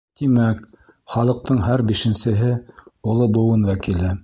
Тимәк, халыҡтың һәр бишенсеһе — оло быуын вәкиле.